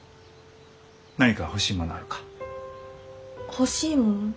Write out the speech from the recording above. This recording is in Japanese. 欲しいもの？